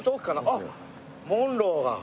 あっモンローが。